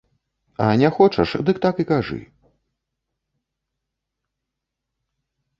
А не хочаш, дык так і кажы.